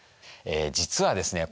実はですね